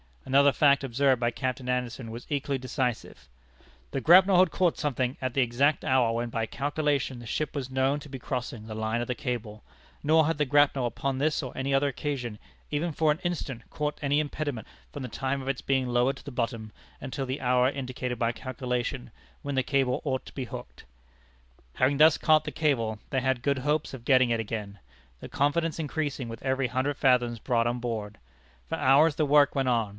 Another fact observed by Captain Anderson was equally decisive: "The grapnel had caught something at the exact hour when by calculation the ship was known to be crossing the line of the cable; nor had the grapnel upon this or any other occasion even for an instant caught any impediment from the time of its being lowered to the bottom, until the hour indicated by calculation, when the cable ought to be hooked." Having thus caught the cable, they had good hopes of getting it again, their confidence increasing with every hundred fathoms brought on board. For hours the work went on.